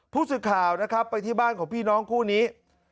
ผู้สื่อข่าวนะครับไปที่บ้านของพี่น้องคู่นี้